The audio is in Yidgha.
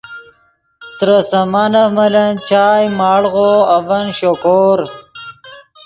ترے سامانف ملن چائے، مڑغو اڤن شوکور